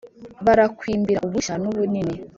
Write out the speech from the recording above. barakwimbira ubushya. nu bunini